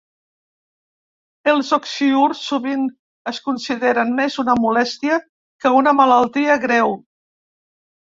Els oxiürs sovint es consideren més una molèstia que una malaltia greu.